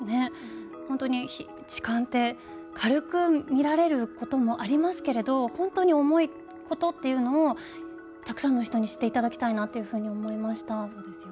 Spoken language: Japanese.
本当に痴漢って軽く見られることもありますけれど本当に重いことっていうのをたくさんの人に知っていただきたいなというふうに思いました。